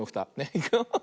いくよ。